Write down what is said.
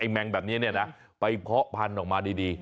แมงแบบนี้เนี่ยนะไปเพาะพันธุ์ออกมาดี